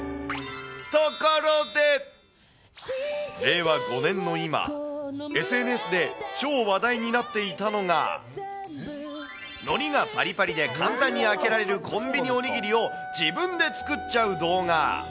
ところで、令和５年の今、ＳＮＳで超話題になっていたのが、のりがぱりぱりで簡単に開けられるコンビニおにぎりを、自分で作っちゃう動画。